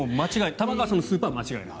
玉川さんのスープは間違いない。